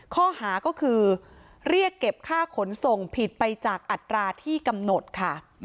ข้อหาก็คือเรียกเก็บค่าขนส่งผิดไปจากอัตราที่กำหนดค่ะ